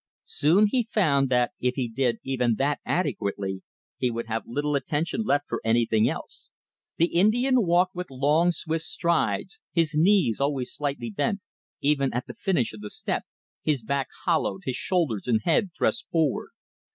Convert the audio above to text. Soon he found that if he did even that adequately, he would have little attention left for anything else. The Indian walked with long, swift strides, his knees always slightly bent, even at the finish of the step, his back hollowed, his shoulders and head thrust forward.